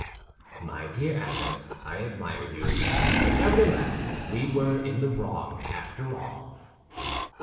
"My dear Athos, I admire you, but nevertheless we were in the wrong, after all."